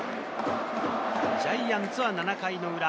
ジャイアンツは７回の裏。